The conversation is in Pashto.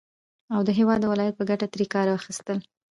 او د هېواد او ولايت په گټه ترې كار واخيستل